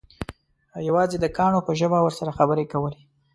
یوازې د کاڼو په ژبه ورسره خبرې کولې.